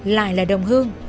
lại là đồng hương